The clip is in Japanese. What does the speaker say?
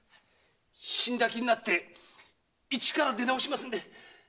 死んだ気になって一から出直しますんで。